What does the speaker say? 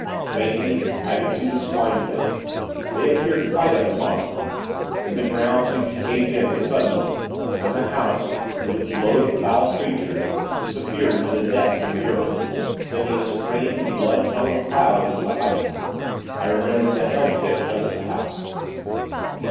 Faintly, I could see the Swine things. They appeared quite unharmed. Then the ground seemed to cave in, suddenly, and the house, with its load of foul creatures, disappeared into the depths of the earth, sending a strange, blood colored cloud into the heights. I remembered the hell Pit under the house.